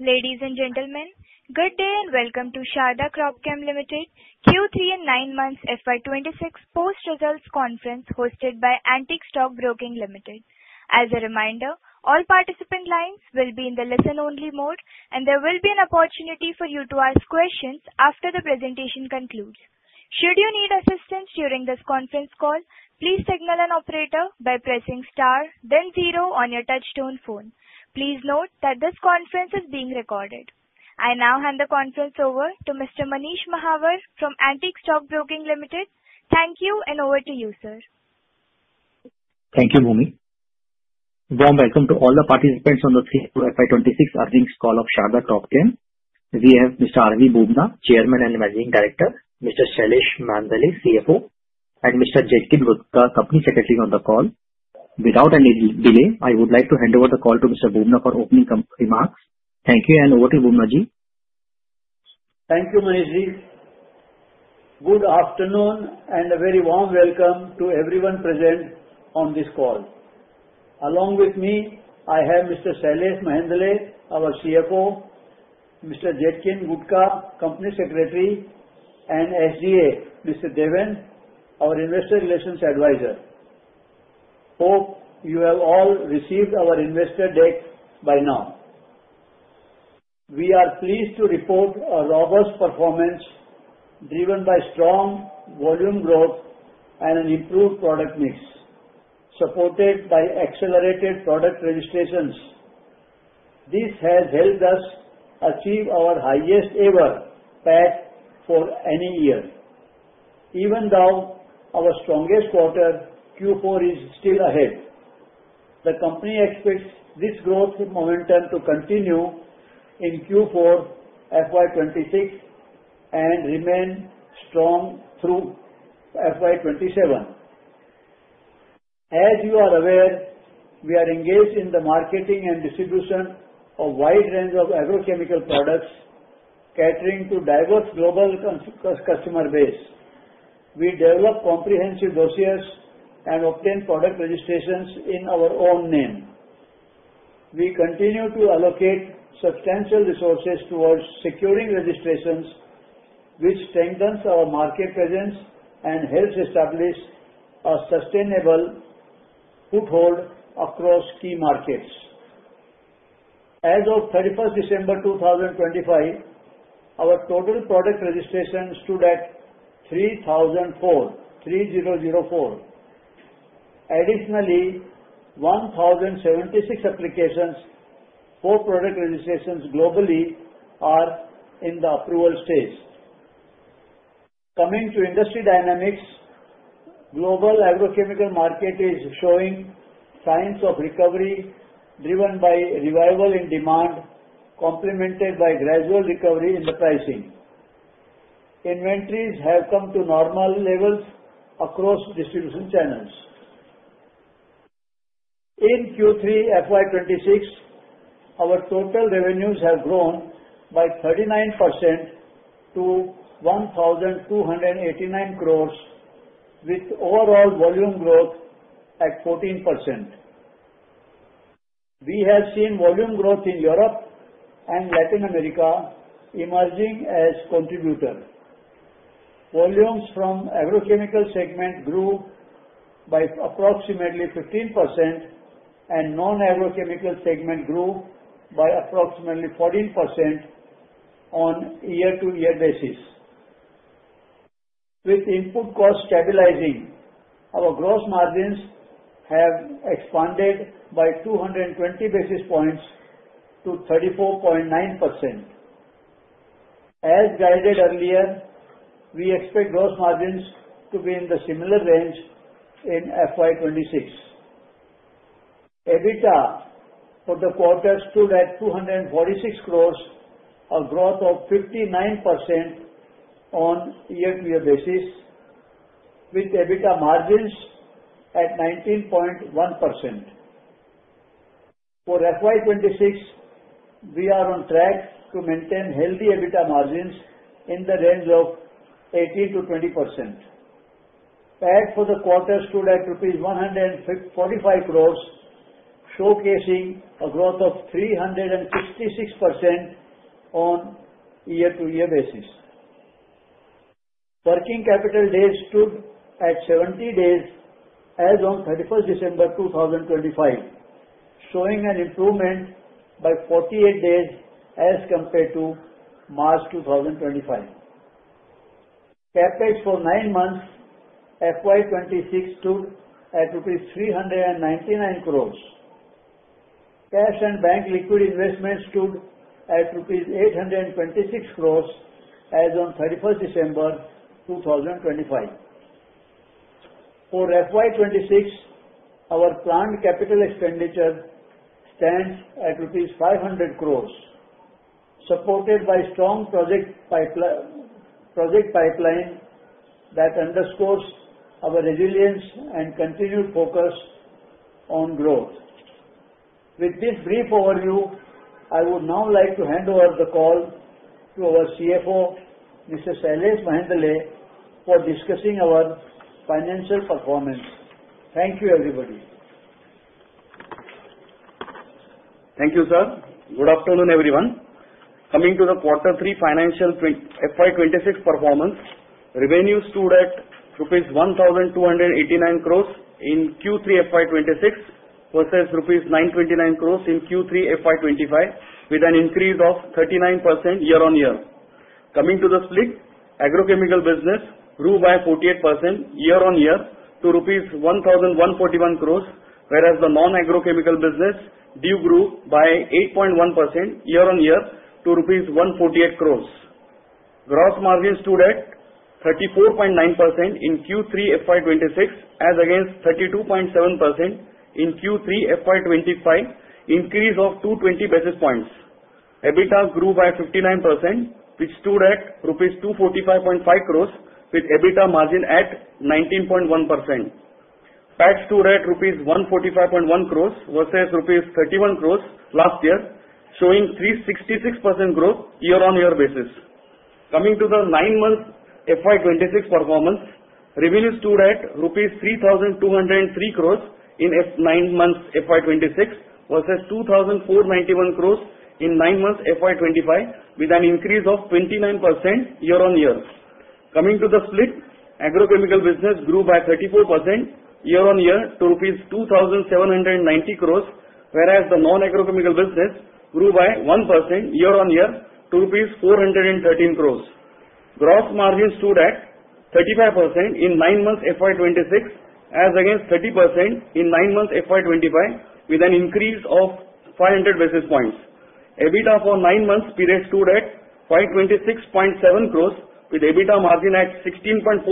Ladies and gentlemen, good day and welcome to Sharda Cropchem Limited, Q3 and Nine Months FY 2026 Post Results Conference hosted by Antique Stock Broking Limited. As a reminder, all participant lines will be in the listen-only mode, and there will be an opportunity for you to ask questions after the presentation concludes. Should you need assistance during this conference call, please signal an operator by pressing star, then zero on your touchtone phone. Please note that this conference is being recorded. I now hand the conference over to Mr. Manish Mahawar from Antique Stock Broking Limited. Thank you, and over to you, sir. Thank you, Bhumi. Warm welcome to all the participants on the FY 2026 earnings call of Sharda Cropchem. We have Mr. R.V. Bubna, Chairman and Managing Director; Mr. Shailesh Mehendale, CFO; and Mr. Jetkin Gudhka, Company Secretary on the call. Without any delay, I would like to hand over the call to Mr. Bubna for opening remarks. Thank you, and over to you, Bubna Ji. Thank you, Manish Ji. Good afternoon and a very warm welcome to everyone present on this call. Along with me, I have Mr. Shailesh Mehendale, our CFO; Mr. Jetkin Gudhka, Company Secretary; and SGA, Mr. Deven, our Investor Relations Advisor. Hope you have all received our investor deck by now. We are pleased to report a robust performance driven by strong volume growth and an improved product mix, supported by accelerated product registrations. This has helped us achieve our highest ever PAT for any year, even though our strongest quarter, Q4, is still ahead. The company expects this growth momentum to continue in Q4 FY 2026 and remain strong through FY 2027. As you are aware, we are engaged in the marketing and distribution of wide range of agrochemical products, catering to diverse global customer base. We develop comprehensive dossiers and obtain product registrations in our own name. We continue to allocate substantial resources towards securing registrations, which strengthens our market presence and helps establish a sustainable foothold across key markets. As of December 31st 2025, our total product registrations stood at 3,404. Additionally, 1,076 applications for product registrations globally are in the approval stage. Coming to industry dynamics, global agrochemical market is showing signs of recovery, driven by revival in demand, complemented by gradual recovery in the pricing. Inventories have come to normal levels across distribution channels. In Q3 FY 2026, our total revenues have grown by 39% to 1,289 crore, with overall volume growth at 14%. We have seen volume growth in Europe and Latin America emerging as contributor. Volumes from agrochemical segment grew by approximately 15%, and non-agrochemical segment grew by approximately 14% on year-over-year basis. With input costs stabilizing, our gross margins have expanded by 220 basis points to 34.9%. As guided earlier, we expect gross margins to be in the similar range in FY 2026. EBITDA for the quarter stood at 246 crores, a growth of 59% on year-over-year basis, with EBITDA margins at 19.1%. For FY 2026, we are on track to maintain healthy EBITDA margins in the range of 18%-20%. PAT for the quarter stood at rupees 145 crores, showcasing a growth of 366% on year-over-year basis. Working capital days stood at 70 days as on 31st December 2025, showing an improvement by 48 days as compared to March 2025. CapEx for nine months, FY 2026, stood at 399 crores rupees. Cash and bank liquid investments stood at 826 crores rupees as on December 31st 2025. For FY 2026, our planned capital expenditure stands at rupees 500 crores, supported by strong project pipeline that underscores our resilience and continued focus on growth. With this brief overview, I would now like to hand over the call to our CFO, Mr. Shailesh Mehendale, for discussing our financial performance. Thank you, everybody. Thank you, sir. Good afternoon, everyone. Coming to the Quarter Three financials, FY 2026 performance, revenue stood at rupees 1,289 crore in Q3 FY 2026, versus rupees 929 crore in Q3 FY 2025, with an increase of 39% year-on-year. Coming to the split, agrochemical business grew by 48% year-on-year to INR 1,141 crore, whereas the non-agrochemical business did grow by 8.1% year-on-year to rupees 148 crore. Gross margin stood at 34.9% in Q3 FY 2026, as against 32.7% in Q3 FY 2025, increase of 220 basis points. EBITDA grew by 59%, which stood at rupees 245.5 crore, with EBITDA margin at 19.1%. PAT stood at rupees 145.1 crore versus rupees 31 crore last year, showing 366% growth year-on-year basis. Coming to the 9-month FY 2026 performance, revenue stood at rupees 3,203 crore in nine months FY 2026, versus 2,491 crore in nine months FY 2025, with an increase of 29% year-on-year. Coming to the split, agrochemical business grew by 34% year-on-year to 2,790 crore rupees, whereas the non-agrochemical business grew by 1% year-on-year to rupees 413 crore. Gross margin stood at 35% in nine months FY 2026, as against 30% in nine months FY 2025, with an increase of 500 basis points. EBITDA for nine months period stood at 526.7 crore, with EBITDA margin at 16.4%,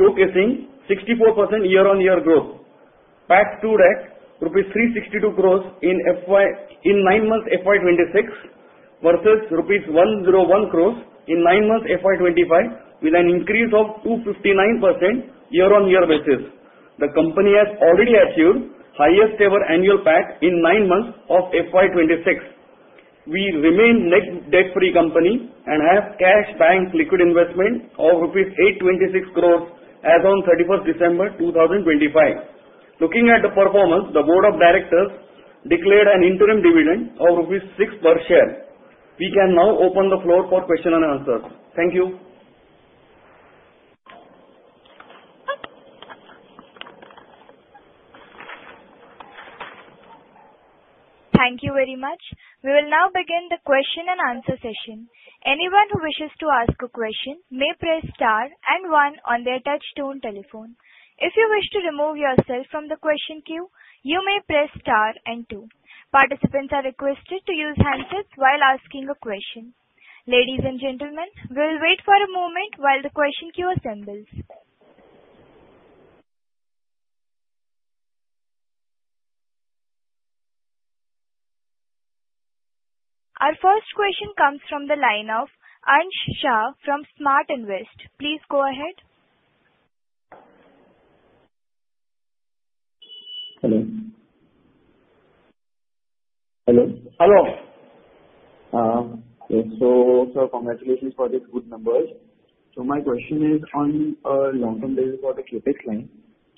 showcasing 64% year-on-year growth. PAT stood at rupees 362 crore in FY, in nine months FY 2026, versus rupees 101 crore in nine months FY 2025, with an increase of 259% year-on-year basis. The company has already achieved highest ever annual PAT in nine months of FY 2026. We remain net debt-free company and have cash bank liquid investment of 826 crore rupees as on 31 December 2025. Looking at the performance, the board of directors declared an interim dividend of 6 rupees per share. We can now open the floor for question and answer. Thank you. Thank you very much. We will now begin the question and answer session. Anyone who wishes to ask a question may press star and one on their touchtone telephone. If you wish to remove yourself from the question queue, you may press star and two. Participants are requested to use handsets while asking a question. Ladies and gentlemen, we'll wait for a moment while the question queue assembles. Our first question comes from the line of Ansh Shah from Smart Invest. Please go ahead. Hello? Hello. Hello. So, sir, congratulations for the good numbers. So my question is on a long-term basis for the CapEx line.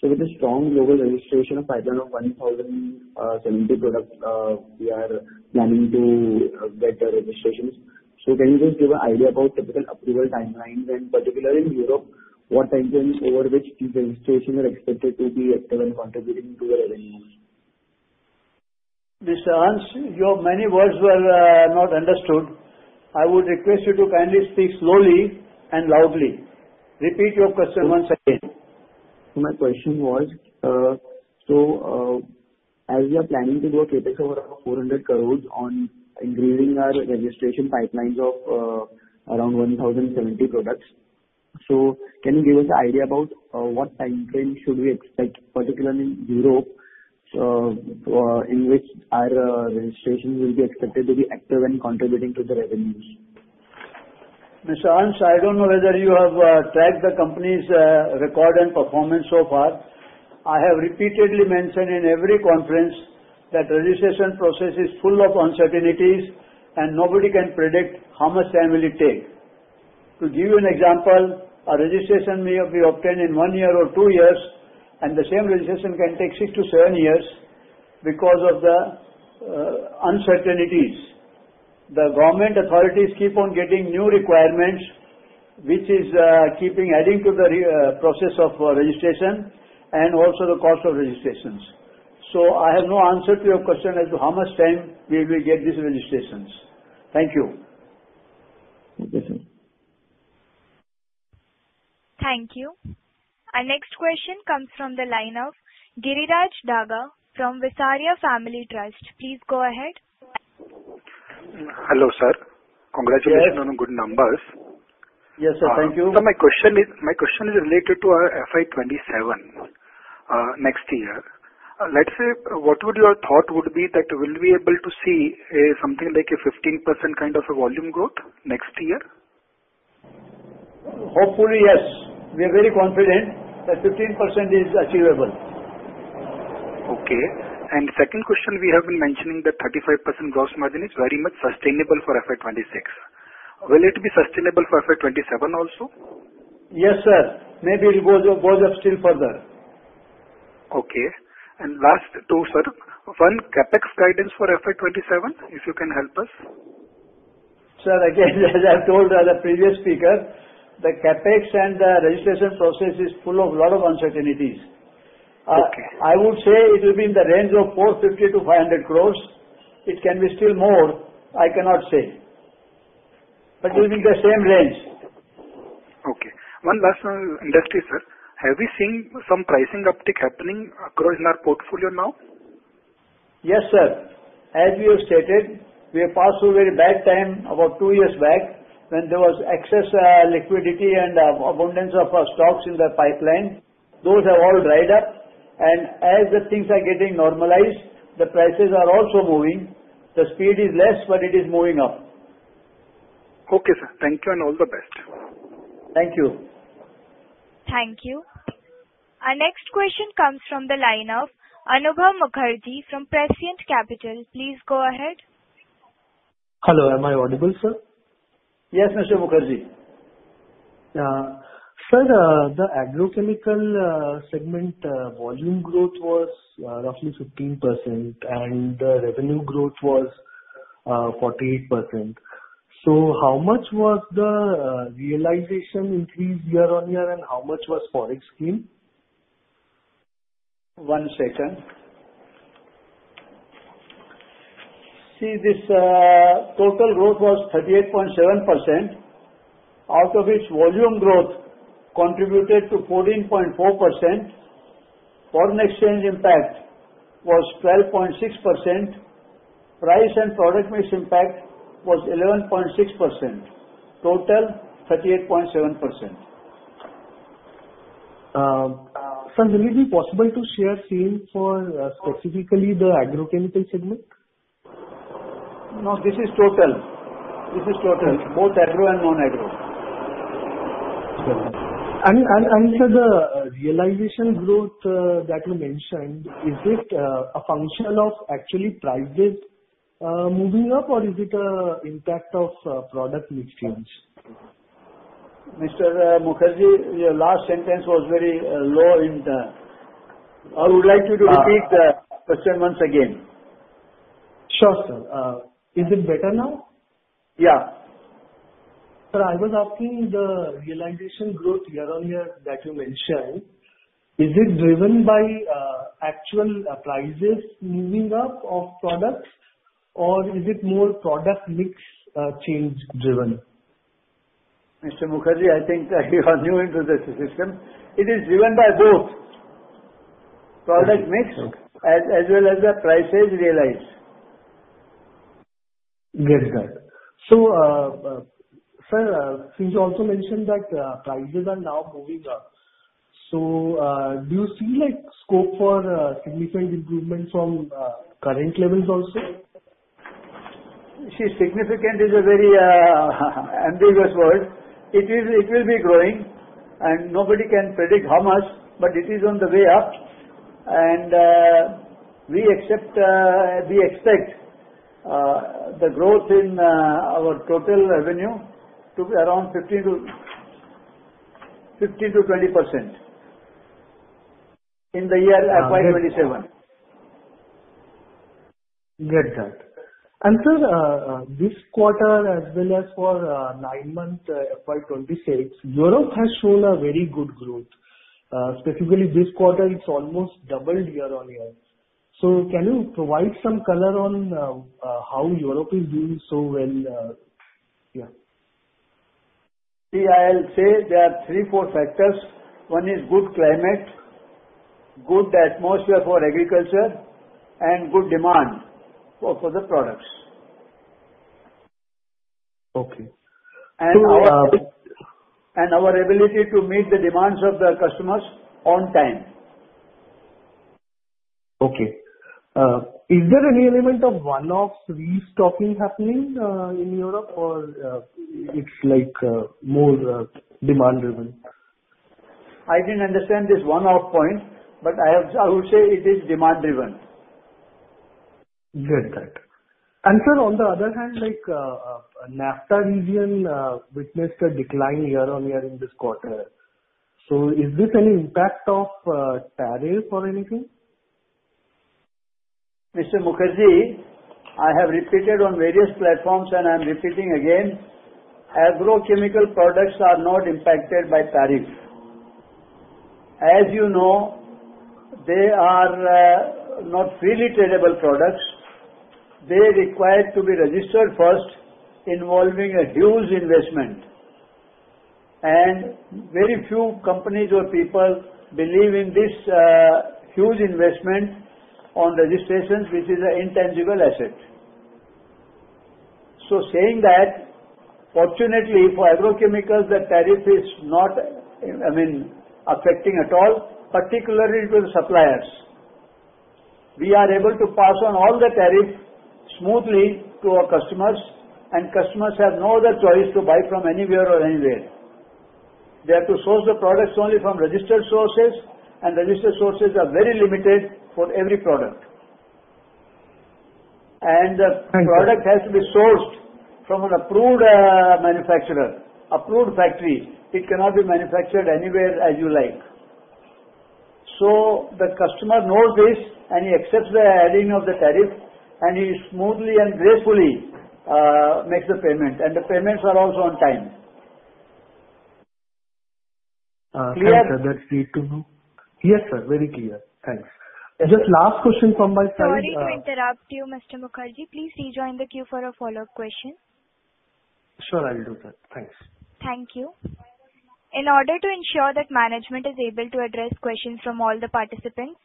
So with the strong global registration pipeline of 1,070 products, we are planning to get the registrations. So can you just give an idea about typical approval timelines, and particularly in Europe, what timeframe over which these registrations are expected to be active and contributing to the revenues? Mr. Ansh, your many words were not understood. I would request you to kindly speak slowly and loudly. Repeat your question once again. My question was, so, as we are planning to do a CapEx over around 400 crore on increasing our registration pipelines of around 1,070 products, so can you give us an idea about what timeframe should we expect, particularly in Europe, so in which our registrations will be expected to be active and contributing to the revenues? Mr. Ansh, I don't know whether you have tracked the company's record and performance so far. I have repeatedly mentioned in every conference that registration process is full of uncertainties, and nobody can predict how much time will it take. To give you an example, a registration may have been obtained in one year or two years, and the same registration can take six to seven years because of the uncertainties. The government authorities keep on getting new requirements, which is keeping adding to the process of registration and also the cost of registrations. So I have no answer to your question as to how much time we will get these registrations. Thank you. Thank you, sir. Thank you. Our next question comes from the line of Giriraj Daga from Visaria Family Trust. Please go ahead. Hello, sir. Yes. Congratulations on the good numbers. Yes, sir. Thank you. So my question is, my question is related to our FY 2027, next year. Let's say, what would your thought would be that will we be able to see, something like a 15% kind of a volume growth next year? Hopefully, yes. We are very confident that 15% is achievable.... Okay. And second question, we have been mentioning that 35% gross margin is very much sustainable for FY 2026. Will it be sustainable for FY 2027 also? Yes, sir. Maybe it goes up still further. Okay. Last two, sir. One, CapEx guidance for FY 2027, if you can help us? Sir, again, as I told the previous speaker, the CapEx and the registration process is full of lot of uncertainties. Okay. I would say it will be in the range of 450 crore-500 crore. It can be still more, I cannot say. Okay. But it will be the same range. Okay. One last one industry, sir. Have we seen some pricing uptick happening across in our portfolio now? Yes, sir. As we have stated, we have passed through a very bad time about two years back, when there was excess liquidity and abundance of stocks in the pipeline. Those are all dried up, and as the things are getting normalized, the prices are also moving. The speed is less, but it is moving up. Okay, sir. Thank you, and all the best. Thank you. Thank you. Our next question comes from the line of Anubhav Mukherjee from Prescient Capital. Please go ahead. Hello, am I audible, sir? Yes, Mr. Mukherjee. Sir, the agrochemical segment volume growth was roughly 15%, and the revenue growth was 48%. So how much was the realization increase year-on-year, and how much was Forex scheme? One second. See, this, total growth was 38.7%, out of which volume growth contributed to 14.4%, foreign exchange impact was 12.6%, price and product mix impact was 11.6%. Total, 38.7%. Sir, will it be possible to share sales for, specifically the agrochemical segment? No, this is total. This is total, both agro and non-agro. Sir, the realization growth that you mentioned, is it a function of actually prices moving up, or is it an impact of product mix change? Mr. Mukherjee, your last sentence was very low in the... I would like you to repeat- Uh. The question once again. Sure, sir. Is it better now? Yeah. Sir, I was asking the realization growth year-on-year that you mentioned, is it driven by actual prices moving up of products? Or is it more product mix change-driven? Mr. Mukherjee, I think that you are new into this system. It is driven by both, product mix- Okay. as, as well as the prices realized. Very good. So, sir, since you also mentioned that, prices are now moving up, so, do you see, like, scope for, significant improvement from, current levels also? See, significant is a very ambiguous word. It is, it will be growing, and nobody can predict how much, but it is on the way up. And we accept, we expect the growth in our total revenue to be around 15%-20% in the year FY 2027. Get that. And sir, this quarter as well as for nine months, FY 2026, Europe has shown a very good growth. Specifically this quarter, it's almost doubled year-on-year. So can you provide some color on how Europe is doing so well, yeah? See, I'll say there are three, four factors. One is good climate, good atmosphere for agriculture, and good demand for, for the products. Okay. So, Our ability to meet the demands of the customers on time. Okay. Is there any element of one-off restocking happening in Europe, or it's like more demand-driven? I didn't understand this one-off point, but I have, I would say it is demand-driven. Got that. Sir, on the other hand, like, NAFTA region witnessed a decline year-on-year in this quarter. So is this any impact of tariffs or anything? Mr. Mukherjee, I have repeated on various platforms, and I'm repeating again: agrochemical products are not impacted by tariff. As you know, they are not freely tradable products. They require to be registered first, involving a huge investment, and very few companies or people believe in this huge investment on registrations, which is a intangible asset. So saying that, fortunately for agrochemicals, the tariff is not, I mean, affecting at all, particularly to the suppliers. We are able to pass on all the tariff smoothly to our customers, and customers have no other choice to buy from anywhere or anywhere.... they have to source the products only from registered sources, and registered sources are very limited for every product. And the- Thank you. -product has to be sourced from an approved, manufacturer, approved factory. It cannot be manufactured anywhere as you like. So the customer knows this, and he accepts the adding of the tariff, and he smoothly and gracefully, makes the payment, and the payments are also on time. Clear? That's great to know. Yes, sir, very clear. Thanks. Just last question from my side, Sorry to interrupt you, Mr. Mukherjee. Please rejoin the queue for a follow-up question. Sure, I will do that. Thanks. Thank you. In order to ensure that management is able to address questions from all the participants,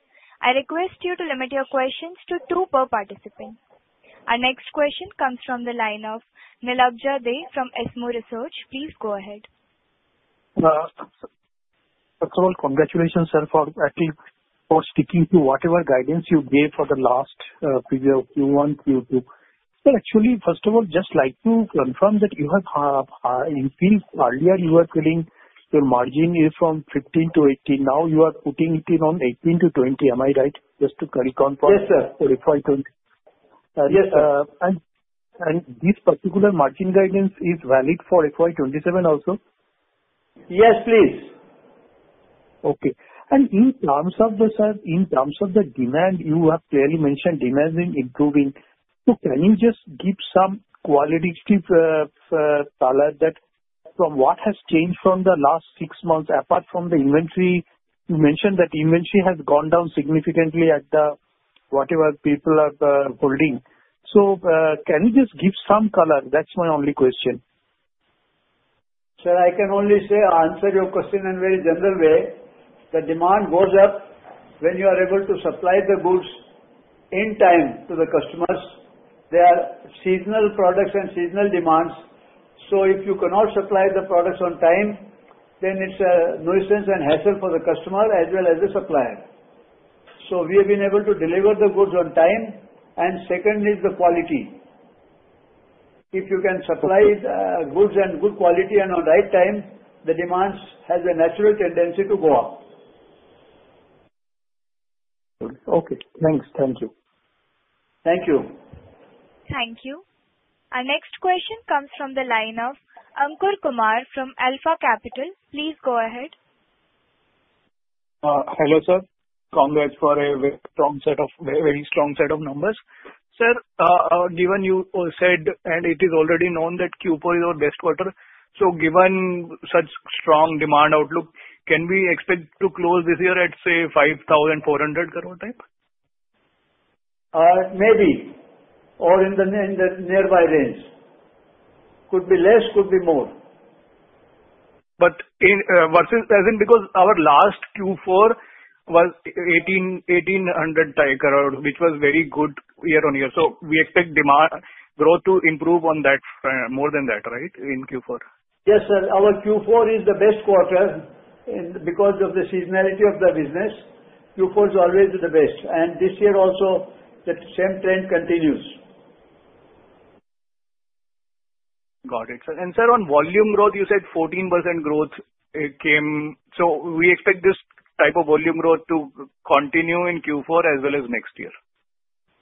I request you to limit your questions to two per participant. Our next question comes from the line of Nilabja Dey from SMIFS Research. Please go ahead. First of all, congratulations, sir, for actually for sticking to whatever guidance you gave for the last, previous Q1, Q2. So actually, first of all, just like to confirm that you have, in Q earlier, you were telling your margin is from 15-18, now you are putting it on 18-20. Am I right? Just to confirm. Yes, sir. For FY 20... Yes, sir. This particular margin guidance is valid for FY 2027 also? Yes, please. Okay. And in terms of the, sir, in terms of the demand, you have clearly mentioned demand is improving. So can you just give some qualitative color that from what has changed from the last six months, apart from the inventory? You mentioned that inventory has gone down significantly at the, whatever people are holding. So, can you just give some color? That's my only question. Sir, I can only say, answer your question in very general way. The demand goes up when you are able to supply the goods in time to the customers. They are seasonal products and seasonal demands, so if you cannot supply the products on time, then it's a nuisance and hassle for the customer as well as the supplier. So we have been able to deliver the goods on time, and secondly, is the quality. Okay. If you can supply, goods and good quality and on right time, the demands has a natural tendency to go up. Okay. Thanks. Thank you. Thank you. Thank you. Our next question comes from the line of Ankur Kumar from Alpha Capital. Please go ahead. Hello, sir. Congrats for a very strong set of, very, very strong set of numbers. Sir, given you said, and it is already known that Q4 is your best quarter, so given such strong demand outlook, can we expect to close this year at, say, 5,400 crore type? Maybe, or in the nearby range. Could be less, could be more. But in versus, I think because our last Q4 was 1,800 type crore, which was very good year-on-year, so we expect demand growth to improve on that, more than that, right, in Q4? Yes, sir. Our Q4 is the best quarter, and because of the seasonality of the business, Q4 is always the best, and this year also, the same trend continues. Got it, sir. Sir, on volume growth, you said 14% growth, it came... So we expect this type of volume growth to continue in Q4 as well as next year?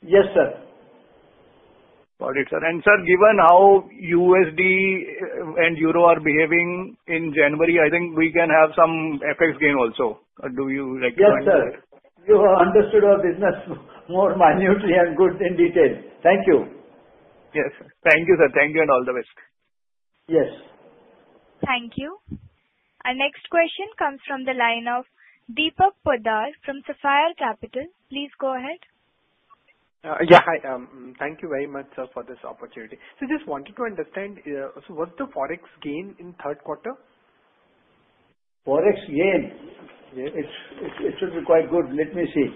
Yes, sir. Got it, sir. Sir, given how USD and euro are behaving in January, I think we can have some FX gain also. Do you like to comment? Yes, sir. You have understood our business more minutely and good in detail. Thank you. Yes. Thank you, sir. Thank you, and all the best. Yes. Thank you. Our next question comes from the line of Deepak Poddar from Sapphire Capital. Please go ahead. Yeah. Hi, thank you very much, sir, for this opportunity. So just wanted to understand, so what's the Forex gain in third quarter? Forex gain? Yes. It should be quite good. Let me see.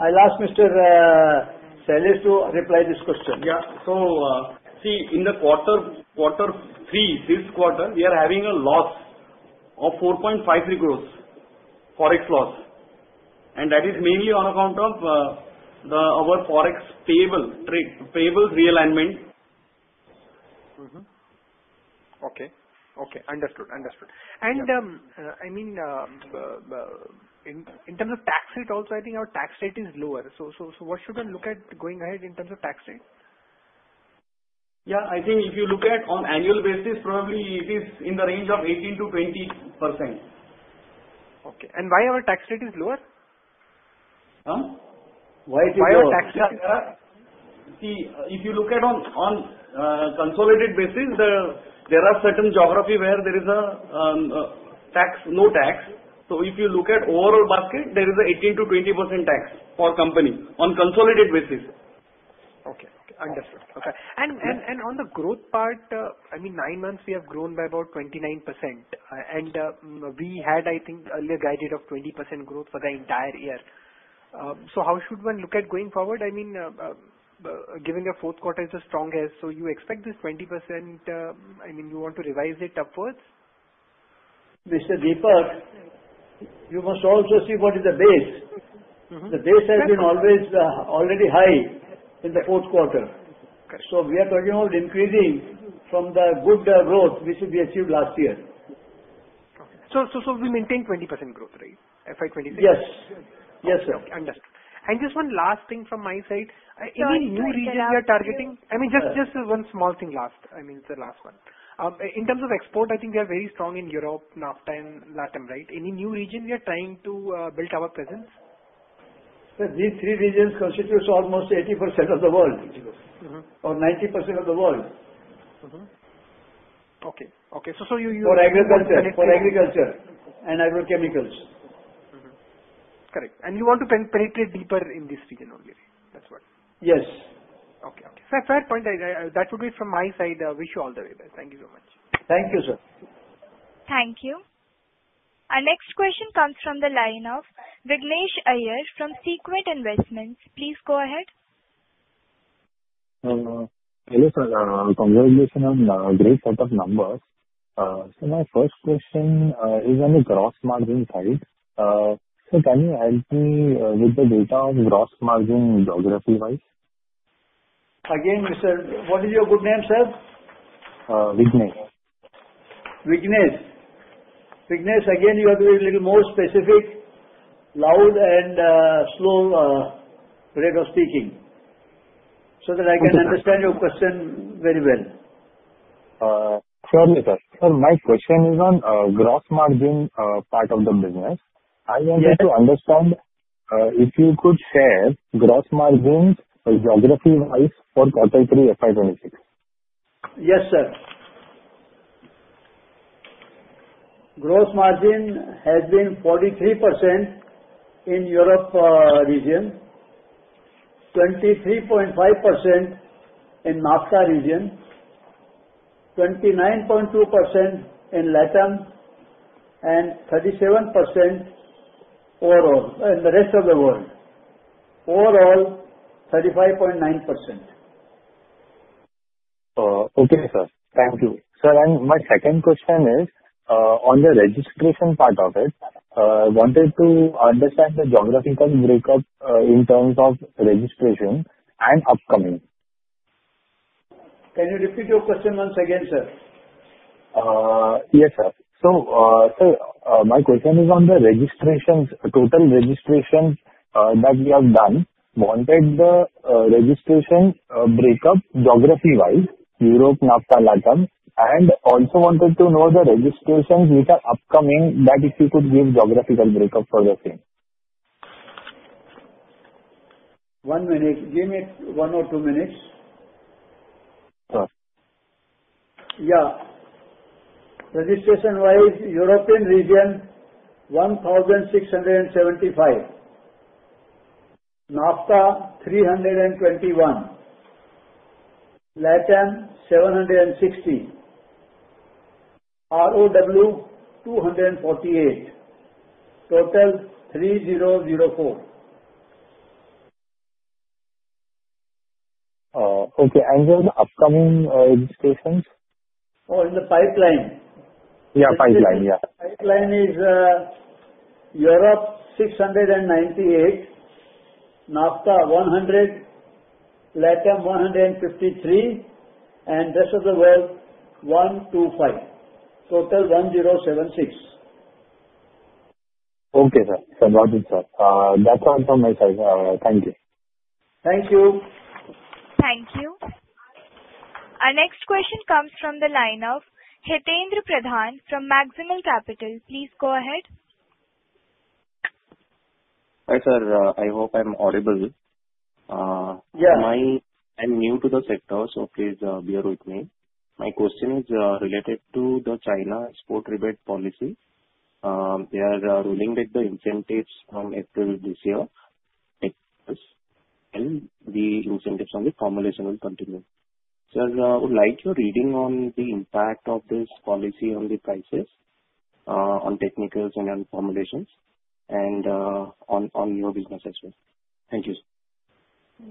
I'll ask Mr. Shailesh to reply this question. Yeah. So, see, in the quarter, quarter three, this quarter, we are having a loss of 4.5 crores, Forex loss, and that is mainly on account of our Forex payable trade payable realignment. Mm-hmm. Okay. Okay, understood. Understood. Yeah. I mean, in terms of tax rate also, I think our tax rate is lower. So, what should I look at going ahead in terms of tax rate? Yeah, I think if you look at on annual basis, probably it is in the range of 18%-20%. Okay. Why our tax rate is lower? Huh? Why is it lower? Why our tax rate? See, if you look at on, on, consolidated basis, there are certain geography where there is a, tax, no tax. So if you look at overall basket, there is a 18%-20% tax for company on consolidated basis. Okay. Understood. Okay. Yeah. On the growth part, I mean, nine months we have grown by about 29%. We had, I think, earlier guided of 20% growth for the entire year. So how should one look at going forward? I mean, given the fourth quarter is the strongest, so you expect this 20%, I mean, you want to revise it upwards? Mr. Deepak, you must also see what is the base. Mm-hmm. The base has been always already high in the fourth quarter. Okay. We are talking about increasing from the good growth which we achieved last year. So we maintain 20% growth rate, FY 20- Yes. Yes, sir. Understood. And just one last thing from my side- Sir, I can ask you- Any new regions we are targeting? I mean, just, just one small thing last. I mean, it's the last one. In terms of export, I think we are very strong in Europe, NAFTA, and LATAM, right? Any new region we are trying to build our presence? Sir, these three regions constitutes almost 80% of the world. Mm-hmm. Or 90% of the world. Mm-hmm. Okay, okay. So, so you- For agriculture, for agriculture and agrochemicals. Mm-hmm. Correct, and you want to penetrate deeper in this region only, that's right? Yes. Okay, okay. Fair, fair point. I... That would be from my side. I wish you all the very best. Thank you so much. Thank you, sir. Thank you. Our next question comes from the line of Vignesh Iyer from Sequent Investments. Please go ahead. Hello, sir. Congratulations on great set of numbers. So my first question is on the gross margin side. So can you help me with the data on gross margin geography-wise? Again, Mr. What is your good name, sir? Uh, Vignesh. Vignesh. Vignesh, again, you have to be a little more specific, loud and slow rate of speaking, so that I can- Okay. Understand your question very well. Certainly, sir. Sir, my question is on Gross Margin, part of the business. Yes. I wanted to understand if you could share gross margins geography-wise for quarter three, FY 2026? Yes, sir. Gross margin has been 43% in Europe, region, 23.5% in NAFTA region, 29.2% in LATAM, and 37% overall, in the rest of the world. Overall, 35.9%. Okay, sir. Thank you. Sir, and my second question is, on the registration part of it, I wanted to understand the geographical breakup, in terms of registration and upcoming? Can you repeat your question once again, sir? Yes, sir. So, sir, my question is on the registrations, total registrations, that you have done. Wanted the registration breakup geography-wise, Europe, NAFTA, LATAM, and also wanted to know the registrations which are upcoming, that if you could give geographical breakup for the same. One minute. Give me one or two minutes. Sure. Yeah. Registration-wise, European region, 1,675. NAFTA, 321. LATAM, 760. ROW, 248. Total, 3,004. Okay, and the upcoming registrations? Oh, in the pipeline? Yeah, pipeline, yeah. Pipeline is, Europe, 698. NAFTA, 100. LATAM, 153, and rest of the world, 125. Total, 1,076. Okay, sir. Got it, sir. That's all from my side. Thank you. Thank you. Thank you. Our next question comes from the line of Hitendra Pradhan from Maximal Capital. Please go ahead. Hi, sir. I hope I'm audible. Uh, yeah. I'm new to the sector, so please, bear with me. My question is related to the China export rebate policy. They are rolling back the incentives from April this year, and the incentives on the formulation will continue. Sir, I would like your reading on the impact of this policy on the prices on technicals and on formulations and on your business as well. Thank you, sir.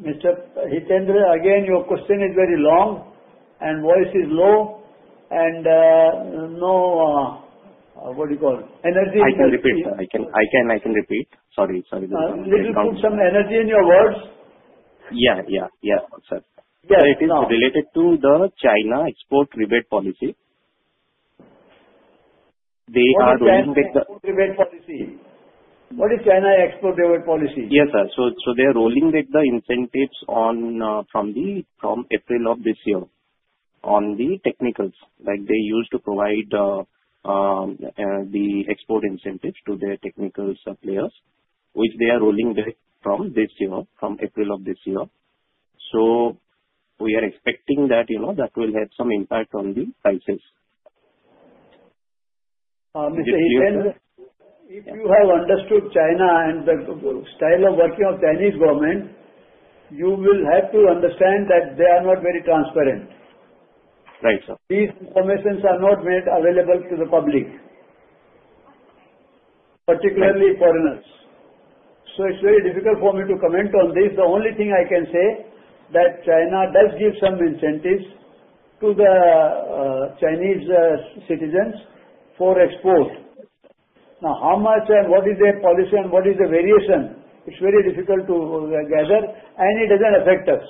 Mr. Hitendra, again, your question is very long and voice is low and, what do you call? Energy- I can repeat. Sorry, sorry. Little, put some energy in your voice. Yeah, yeah, yeah, sir. Yeah, now. It is related to the China export rebate policy. They are- What is China export rebate policy? What is China export rebate policy? Yes, sir. So they are rolling back the incentives from April of this year on the technicals, like they used to provide the export incentives to their technical suppliers, which they are rolling back from this year, from April of this year. So we are expecting that, you know, that will have some impact on the prices. Mr. Hitendra- Yes, sir. If you have understood China and the style of working of Chinese government, you will have to understand that they are not very transparent.... Right, sir. These permissions are not made available to the public, particularly foreigners, so it's very difficult for me to comment on this. The only thing I can say, that China does give some incentives to the Chinese citizens for export. Now, how much and what is their policy and what is the variation, it's very difficult to gather, and it doesn't affect us.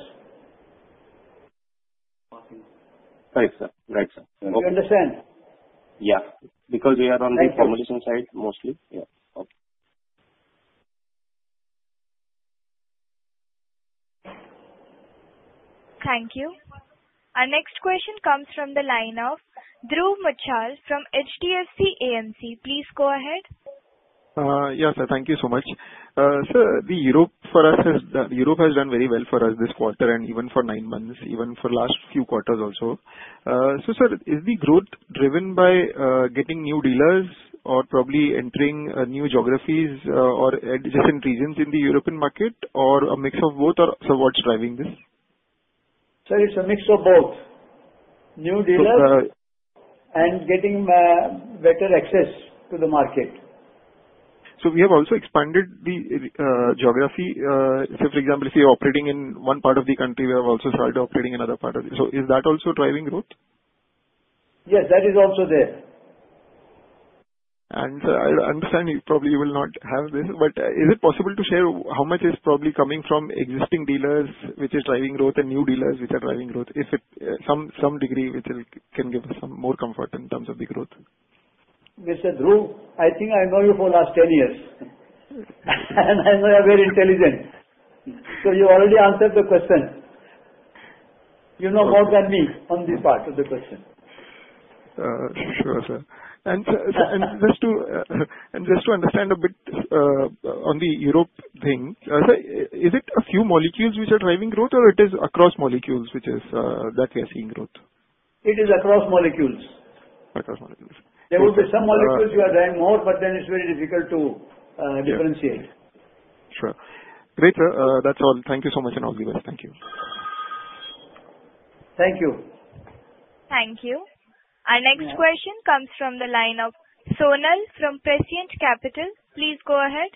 Right, sir. Right, sir. You understand? Yeah, because we are on the- Right. Formulation side, mostly. Yeah. Okay. Thank you. Our next question comes from the line of Dhruv Muchhal from HDFC AMC. Please go ahead. Yes, sir, thank you so much. Sir, the Europe for us is, Europe has done very well for us this quarter and even for nine months, even for last few quarters also. So, sir, is the growth driven by, getting new dealers or probably entering, new geographies, or adjacent regions in the European market, or a mix of both, or so what's driving this? Sir, it's a mix of both. So, uh- New dealers and getting better access to the market. So we have also expanded the geography. So for example, if you're operating in one part of the country, we have also started operating in another part of it. So is that also driving growth? Yes, that is also there. Sir, I understand you probably will not have this, but is it possible to share how much is probably coming from existing dealers, which is driving growth and new dealers which are driving growth? Is it some degree which can give us some more comfort in terms of the growth? Mr. Dhruv, I think I know you for last 10 years, and I know you are very intelligent, so you already answered the question. You know more than me on this part of the question. Sure, sir. And, sir, just to understand a bit, on the Europe thing, sir, is it a few molecules which are driving growth, or it is across molecules which is that we are seeing growth? It is across molecules. Across molecules. There will be some molecules which are driving more, but then it's very difficult to. Yeah. Differentiate. Sure. Great, that's all. Thank you so much, and I'll give it. Thank you. Thank you. Thank you. Our next question comes from the line of Sonal from Prescient Capital. Please go ahead.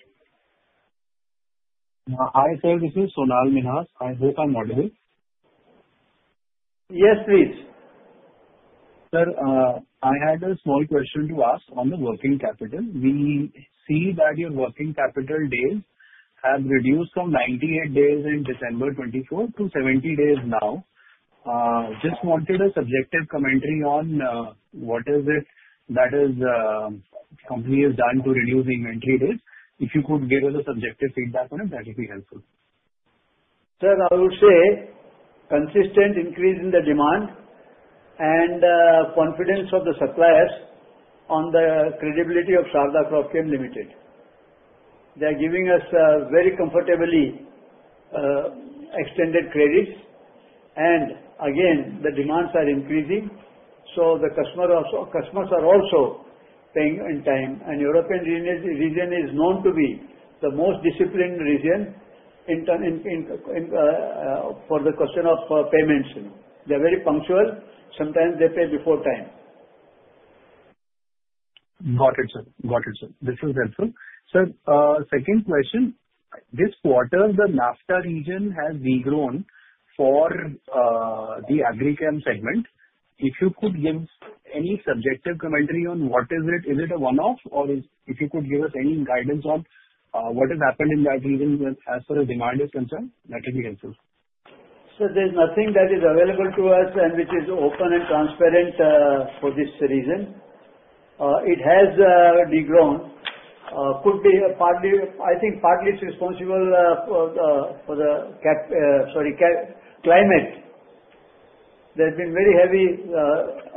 Hi, sir, this is Sonal Minhas. I'm with a model. Yes, please. Sir, I had a small question to ask on the working capital. We see that your working capital days have reduced from 98 days in December 2024 to 70 days now. Just wanted a subjective commentary on what is it that is company has done to reduce the inventory days. If you could give us a subjective feedback on it, that would be helpful. Sir, I would say consistent increase in the demand and confidence of the suppliers on the credibility of Sharda Cropchem Limited. They are giving us very comfortably extended credits, and again, the demands are increasing, so the customer also... customers are also paying on time. European region is known to be the most disciplined region in terms of the question of payments. They're very punctual. Sometimes they pay before time. Got it, sir. Got it, sir. This is helpful. Sir, second question: This quarter, the NAFTA region has de-grown for the agri chem segment. If you could give any subjective commentary on what is it, is it a one-off? Or if you could give us any guidance on what has happened in that region as far as demand is concerned, that will be helpful. Sir, there's nothing that is available to us and which is open and transparent for this region. It has de-grown, could be partly, I think, partly it's responsible for the climate. There's been very heavy,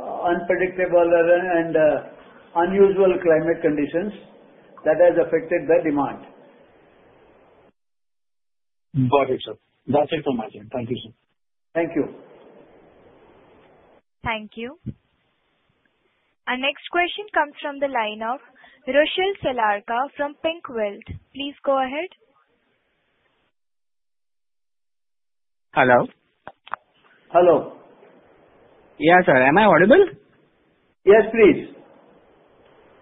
unpredictable and unusual climate conditions that has affected the demand. Got it, sir. That's it from my end. Thank you, sir. Thank you. Thank you. Our next question comes from the line of Rushil Selarka from PINC Wealth. Please go ahead. Hello? Hello. Yeah, sir. Am I audible? Yes, please.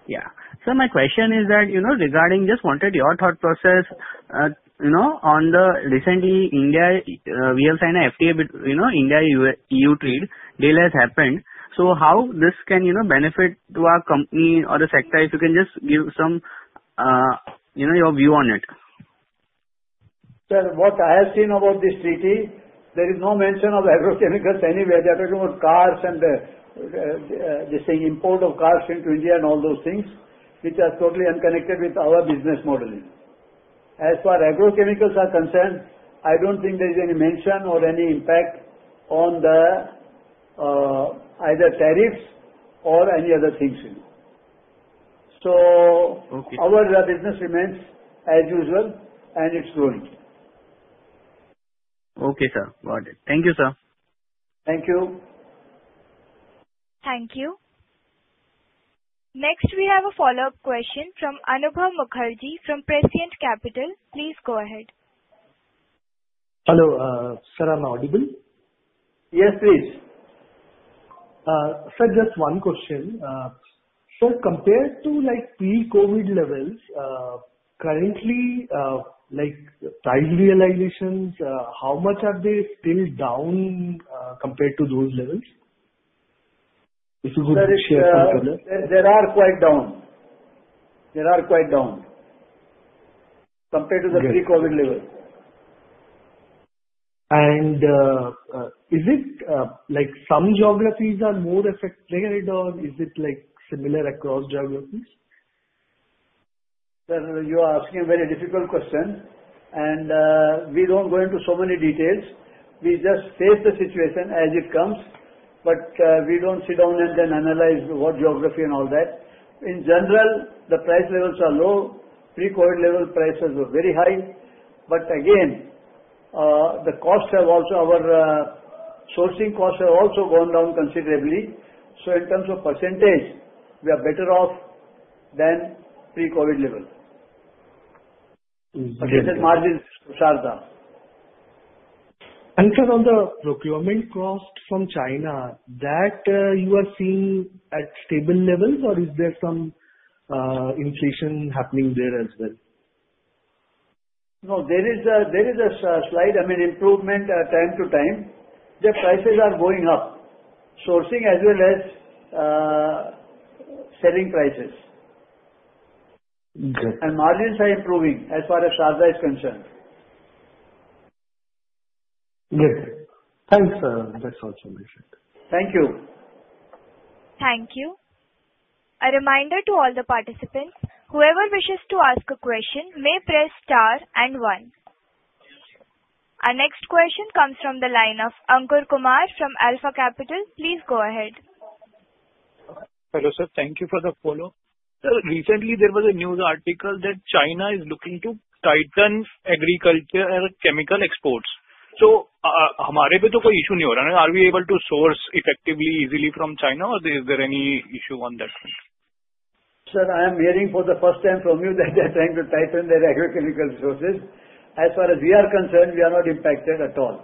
Yeah. Sir, my question is that, you know, regarding just wanted your thought process, you know, on the recently India, we have signed a FTA with, you know, India-EU trade deal has happened. So how this can, you know, benefit to our company or the sector? If you can just give some, you know, your view on it. Sir, what I have seen about this treaty, there is no mention of agrochemicals anywhere. They are talking about cars and they're saying import of cars into India and all those things which are totally unconnected with our business modeling. As far as agrochemicals are concerned, I don't think there is any mention or any impact on the either tariffs or any other things. So- Okay. Our business remains as usual, and it's growing. Okay, sir. Got it. Thank you, sir. Thank you. Thank you.... Next, we have a follow-up question from Anubhav Mukherjee from Prescient Capital. Please go ahead. Hello, sir, am I audible? Yes, please. Sir, just one question. So compared to like pre-COVID levels, currently, like price realizations, how much are they still down, compared to those levels? If you could share some color. They are quite down. They are quite down compared to the- Yes. - pre-COVID levels. Is it like some geographies are more affected by it, or is it like similar across geographies? Sir, you are asking a very difficult question, and we don't go into so many details. We just face the situation as it comes, but we don't sit down and then analyze what geography and all that. In general, the price levels are low. Pre-COVID level prices were very high, but again, the costs have also our, sourcing costs have also gone down considerably. So in terms of percentage, we are better off than pre-COVID levels. Mm. But as the margins are down. Sir, on the procurement cost from China, that you are seeing at stable levels or is there some inflation happening there as well? No, there is a slight, I mean, improvement time to time. The prices are going up, sourcing as well as selling prices. Okay. Margins are improving as far as Sharda is concerned. Great. Thanks, sir. That's all submission. Thank you. Thank you. A reminder to all the participants, whoever wishes to ask a question may press star and one. Our next question comes from the line of Ankur Kumar from Alpha Capital. Please go ahead. Hello, sir. Thank you for the follow. Sir, recently there was a news article that China is looking to tighten agriculture and chemical exports. So, are we able to source effectively, easily from China or is there any issue on that front? Sir, I am hearing for the first time from you that they're trying to tighten their agrochemical sources. As far as we are concerned, we are not impacted at all.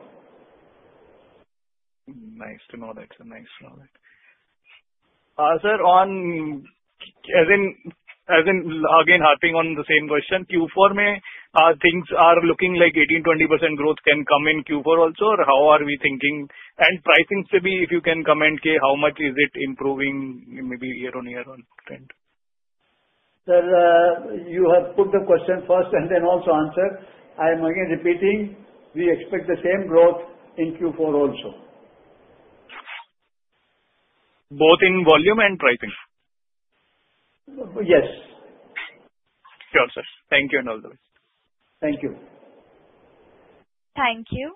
Nice to know that, sir. Nice to know that. Sir, on, as in, again, harping on the same question, Q4 may, things are looking like 18%-20% growth can come in Q4 also, or how are we thinking? And pricing also, if you can comment, how much is it improving maybe year-over-year on trend? Sir, you have put the question first and then also answered. I am again repeating, we expect the same growth in Q4 also. Both in volume and pricing? Yes. Sure, sir. Thank you and all the best. Thank you. Thank you.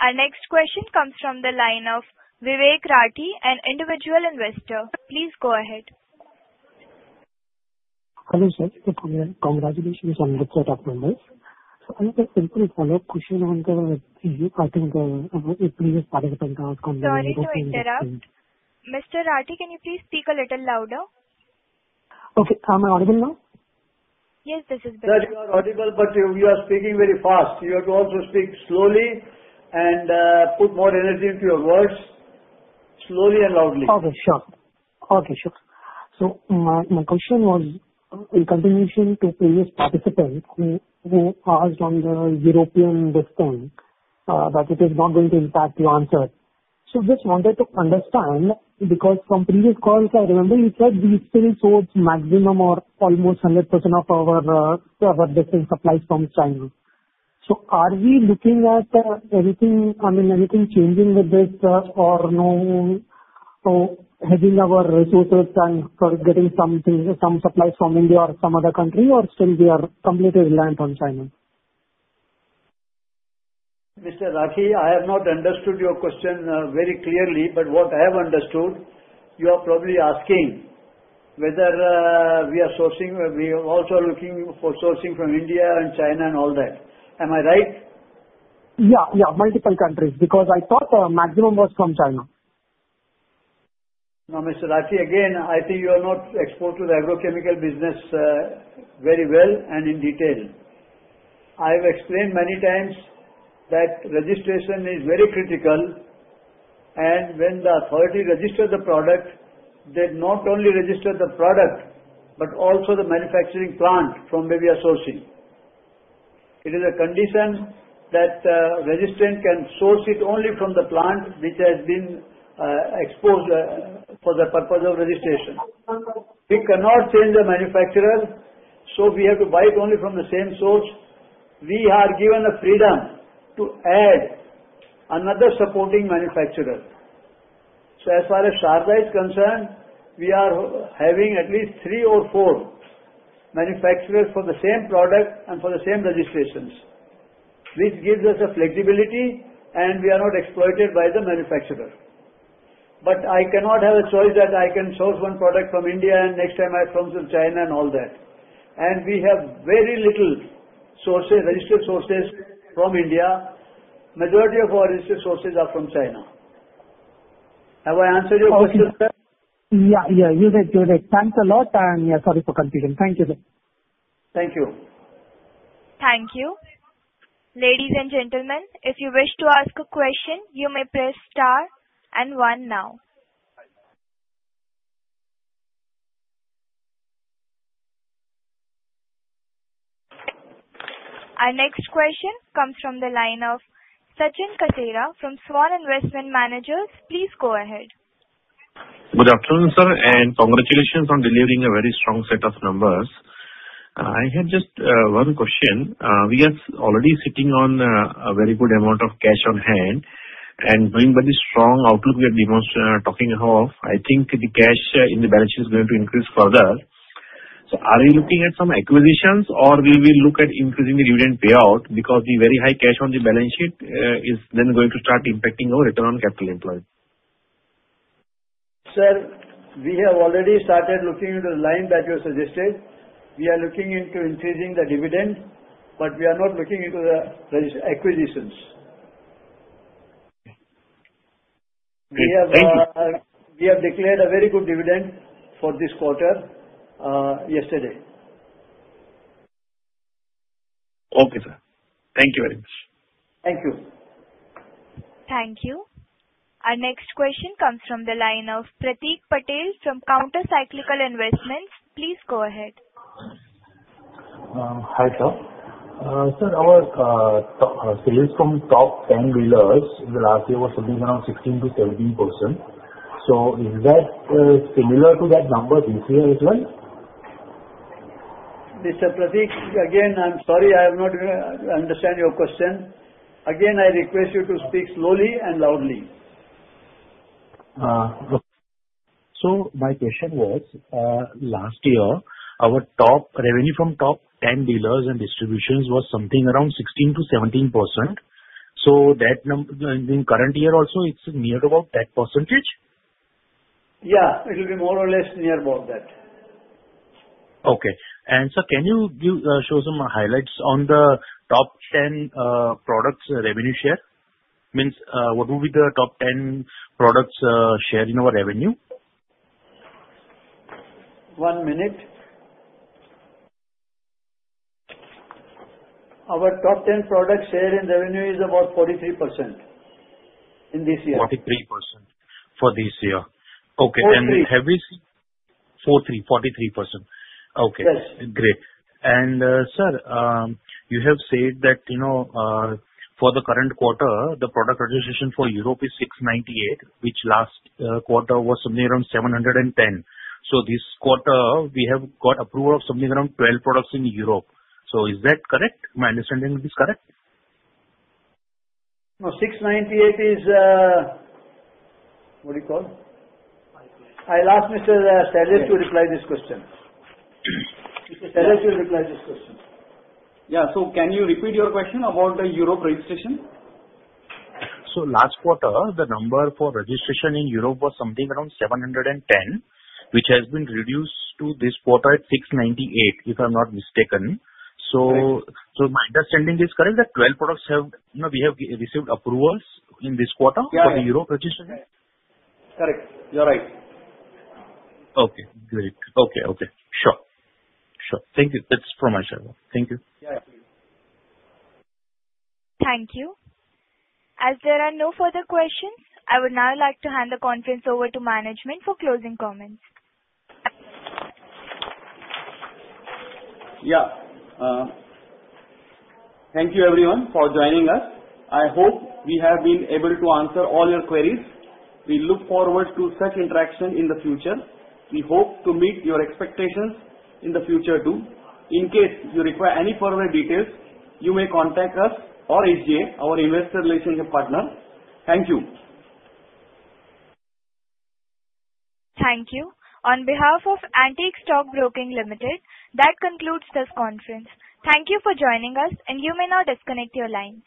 Our next question comes from the line of Vivek Rathi, an individual investor. Please go ahead. Hello, sir. Congratulations on the set of numbers. So I have a simple follow-up question on the, I think, previous participant asked on the- Sorry to interrupt. Mr. Rathi, can you please speak a little louder? Okay. Am I audible now? Yes, this is better. Sir, you are audible, but you are speaking very fast. You have to also speak slowly and put more energy into your words. Slowly and loudly. Okay, sure. Okay, sure. So my, my question was in continuation to previous participant who, who asked on the European discount, that it is not going to impact your answer. So just wanted to understand, because from previous calls, I remember you said we still source maximum or almost 100% of our, our different supplies from China. So are we looking at, anything, I mean, anything changing with this, or no, or having our resources and for getting something, some supplies from India or some other country, or still we are completely reliant on China? Mr. Rathi, I have not understood your question very clearly, but what I have understood, you are probably asking whether we are sourcing or we are also looking for sourcing from India and China and all that. Am I right? Yeah, yeah, multiple countries, because I thought our maximum was from China. Now, Mr. Rathi, again, I think you are not exposed to the agrochemical business very well and in detail. I have explained many times that registration is very critical, and when the authority registers the product, they not only register the product, but also the manufacturing plant from where we are sourcing. It is a condition that registrant can source it only from the plant which has been exposed for the purpose of registration. We cannot change the manufacturer, so we have to buy it only from the same source. We are given the freedom to add another supporting manufacturer. So as far as Sharda is concerned, we are having at least three or four manufacturers for the same product and for the same registrations. This gives us the flexibility, and we are not exploited by the manufacturer. But I cannot have a choice that I can source one product from India, and next time I source from China and all that. We have very little sources, registered sources from India.... Majority of our sources are from China. Have I answered your question, sir? Yeah, yeah, you did, you did. Thanks a lot, and, yeah, sorry for confusing. Thank you, sir. Thank you. Thank you. Ladies and gentlemen, if you wish to ask a question, you may press star and one now. Our next question comes from the line of Sachin Kasera from Svan Investment Managers. Please go ahead. Good afternoon, sir, and congratulations on delivering a very strong set of numbers. I have just one question. We are already sitting on a very good amount of cash on hand, and going by the strong outlook we are talking of, I think the cash in the balance sheet is going to increase further. So are you looking at some acquisitions, or will we look at increasing the dividend payout? Because the very high cash on the balance sheet is then going to start impacting our return on capital employed. Sir, we have already started looking into the line that you suggested. We are looking into increasing the dividend, but we are not looking into the acquisitions. Great. Thank you. We have declared a very good dividend for this quarter, yesterday. Okay, sir. Thank you very much. Thank you. Thank you. Our next question comes from the line of Pratik Patel from Counter Cyclical Investments. Please go ahead. Hi, sir. Sir, our top sales from top 10 dealers in the last year was something around 16%-17%. So is that similar to that number this year as well? Mr. Pratik, again, I'm sorry, I have not understand your question. Again, I request you to speak slowly and loudly. So my question was, last year, our top revenue from top ten dealers and distributors was something around 16%-17%. So that in current year also, it's near about that percentage? Yeah, it'll be more or less near about that. Okay. Sir, can you show some highlights on the top 10 products' revenue share? I mean, what will be the top 10 products' share in our revenue? One minute. Our top 10 product share in revenue is about 43% in this year. 43% for this year? Okay. Four-three. Have we... 4, 3, 43%. Okay. Yes. Great. And, sir, you have said that, you know, for the current quarter, the product registration for Europe is 698, which last quarter was something around 710. So this quarter we have got approval of something around 12 products in Europe. So is that correct? My understanding is correct? No, 698 is, What do you call? I'll ask Mr. Shailesh to reply this question. Mr. Shailesh to reply this question. Yeah. So can you repeat your question about the Europe registration? Last quarter, the number for registration in Europe was something around 710, which has been reduced to this quarter at 698, if I'm not mistaken. Right. So my understanding is correct, that 12 products have, you know, we have received approvals in this quarter- Yeah, yeah. for the Europe registration? Correct. You're right. Okay, great. Okay, okay. Sure, sure. Thank you. That's from my side. Thank you. Yeah. Thank you. As there are no further questions, I would now like to hand the conference over to management for closing comments. Yeah. Thank you, everyone, for joining us. I hope we have been able to answer all your queries. We look forward to such interaction in the future. We hope to meet your expectations in the future, too. In case you require any further details, you may contact us or SGA, our investor relationship partner. Thank you. Thank you. On behalf of Antique Stock Broking Limited, that concludes this conference. Thank you for joining us, and you may now disconnect your line.